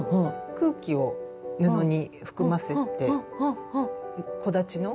空気を布に含ませて木立の空気感を。